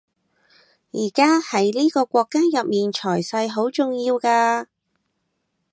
而家喺呢個國家入面財勢好重要㗎